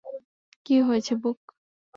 কী হয়েছে, ব্যুক?